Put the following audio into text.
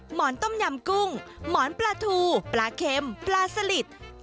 หมอนต้มยำกุ้งหมอนปลาทูปลาเค็มปลาสลิด